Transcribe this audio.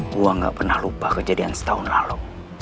gue gak pernah lupa kejadian setahun lalu